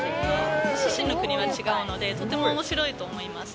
出身の国が違うので、とてもおもしろいと思います。